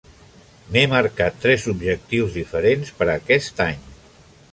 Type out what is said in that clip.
M'he marcat tres objectius diferents per a aquest any.